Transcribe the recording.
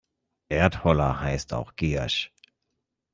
Erdholler heißt auch Giersch.